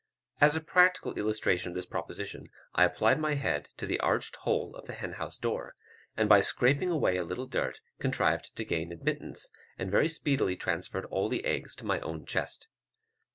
As a practical illustration of this proposition, I applied my head to the arched hole of the hen house door, and by scraping away a little dirt, contrived to gain admittance, and very speedily transferred all the eggs to my own chest.